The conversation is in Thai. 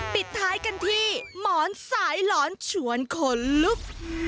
ปิดท้ายกันที่หมอนสายหลอนชวนขนลุก